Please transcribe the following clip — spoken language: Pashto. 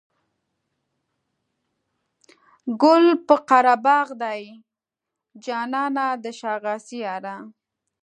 ګل پر قره باغ دی جانانه د شا غاسي یاره.